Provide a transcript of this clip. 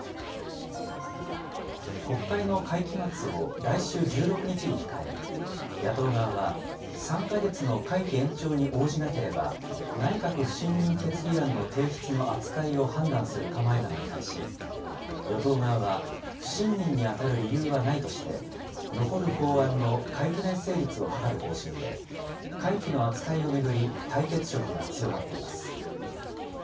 国会の会期末を来週１６日に控え、野党側は、３か月の会期延長に応じなければ、内閣不信任決議案の提出の扱いを判断する構えなのに対し、与党側は、不信任に当たる理由はないとして、残る法案の会期内成立を図る方針で、会期の扱いを巡り、対決色が強まっています。